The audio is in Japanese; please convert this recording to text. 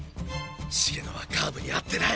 茂野はカーブに合ってない！